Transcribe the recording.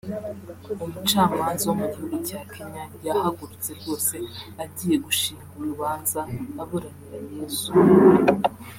Umucamanza wo mu gihugu cya Kenya yahagurutse rwose agiye gushing urubanza aburanira Yezu